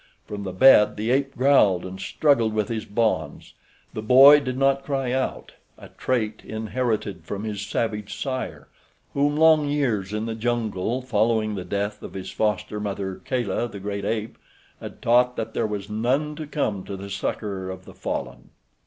From the bed the ape growled and struggled with his bonds. The boy did not cry out—a trait inherited from his savage sire whom long years in the jungle following the death of his foster mother, Kala the great ape, had taught that there was none to come to the succor of the fallen.